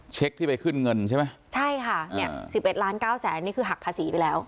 เช็คที่ไปขึ้นเงินใช่ไหมใช่ค่ะเนี่ยสิบเอ็ดล้านเก้าแสนนี่คือหักภาษีไปแล้ว